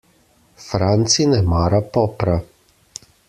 Franci ne mara popra.